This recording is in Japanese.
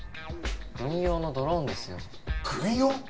軍用のドローンですよ軍用？